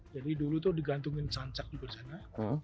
jadi dulu tuh digantungin sansak juga di sana